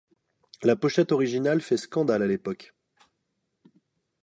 La pochette originale fait scandale à l'époque.